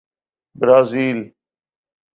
Brazil